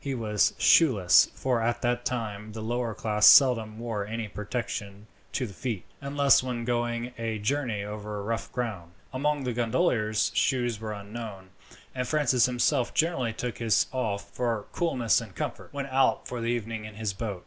He was shoeless, for at that time the lower class seldom wore any protection to the feet, unless when going a journey over rough ground. Among the gondoliers shoes were unknown; and Francis himself generally took his off, for coolness and comfort, when out for the evening in his boat.